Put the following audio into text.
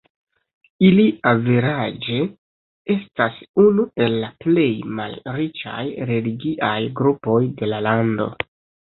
Ili averaĝe estas unu el la plej malriĉaj religiaj grupoj de la lando.